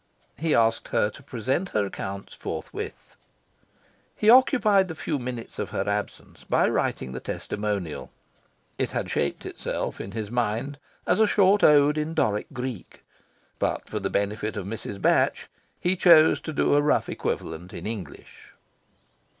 He asked her to present her accounts forthwith. He occupied the few minutes of her absence by writing the testimonial. It had shaped itself in his mind as a short ode in Doric Greek. But, for the benefit of Mrs. Batch, he chose to do a rough equivalent in English.